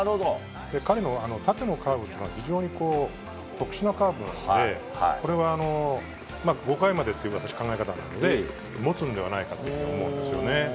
彼の縦のカーブは非常に特殊なカーブなのでこれは、５回までという考え方なので持つのではないかと思うんですよね。